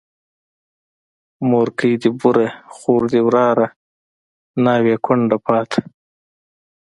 مورکۍ دي بوره، خور دي وراره، ناوې کونډه پاته